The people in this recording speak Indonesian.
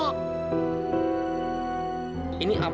mau main sama apa